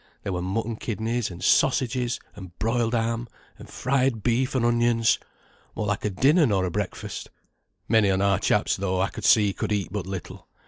There were mutton kidneys, and sausages, and broiled ham, and fried beef and onions; more like a dinner nor a breakfast. Many on our chaps though, I could see, could eat but little.